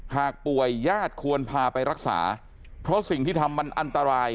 หากป่วยญาติควรพาไปรักษาเพราะสิ่งที่ทำมันอันตราย